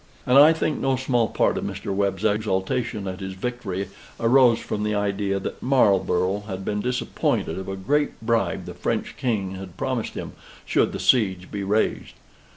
And, I think, no small part of Mr. Webb's exultation at his victory arose from the idea that Marlborough had been disappointed of a great bribe the French King had promised him, should the siege be raised.